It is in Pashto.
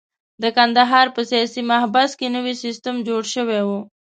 د کندهار په سیاسي محبس کې نوی سیستم جوړ شوی وو.